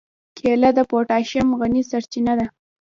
کېله د پوتاشیم غني سرچینه ده.